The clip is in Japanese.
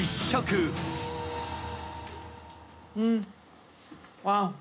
うん。